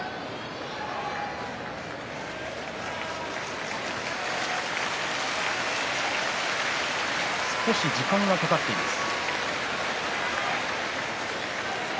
拍手少し時間がかかっています。